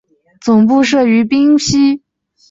总部设于宾西法尼亚州巴克斯县纽顿。